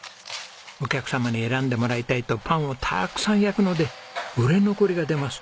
お客様に選んでもらいたいとパンをたくさん焼くので売れ残りが出ます。